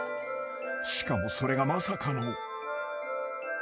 ［しかもそれがまさかの］